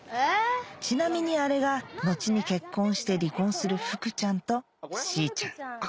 ちなみにあれが後に結婚して離婚する福ちゃんとしーちゃん